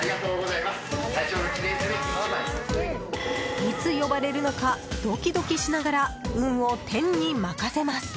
いつ呼ばれるのかドキドキしながら運を天に任せます。